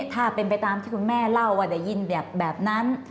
ถ้าเป็นไปตามที่คุณแม่เล่าว่าได้ยินแบบนั้น